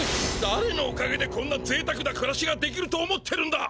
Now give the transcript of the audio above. だれのおかげでこんなぜいたくなくらしができると思ってるんだ！？